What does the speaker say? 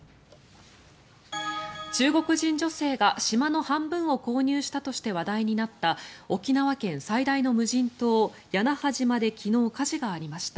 中国人女性が島の半分を購入したとして話題になった沖縄県最大の無人島、屋那覇島で昨日、火事がありました。